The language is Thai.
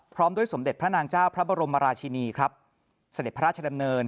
ด้วยสมเด็จพระนางเจ้าพระบรมราชินีครับเสด็จพระราชดำเนิน